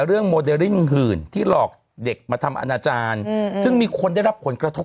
โมเดลลิ่งหื่นที่หลอกเด็กมาทำอนาจารย์ซึ่งมีคนได้รับผลกระทบ